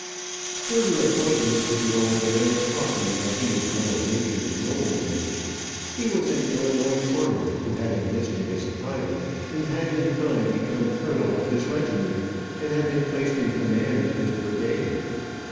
Further acquaintance with the old man taught me that he was one of nature's noblemen. He was an Illinois farmer, who had enlisted as a private, and had in time become colonel of his regiment, and had been placed in command of this brigade.